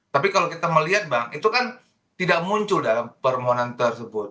tapi kalau kita melihat bang itu kan tidak muncul dalam permohonan tersebut